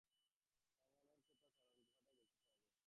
কামানের কথা ছাড়ুন, গুহাটাই দেখতে পাওয়া যায় না।